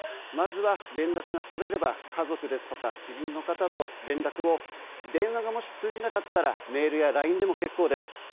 まずは連絡が取れれば、家族や知人の方と連絡を電話がもし、通じなかったらメールやＬＩＮＥでも結構です。